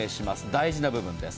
大事な部分です。